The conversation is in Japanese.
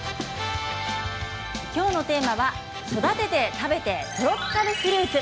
きょうのテーマは育てて食べてトロピカルフルーツ。